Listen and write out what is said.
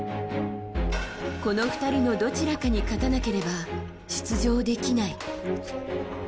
この２人のどちらかに勝たなければ出場できない。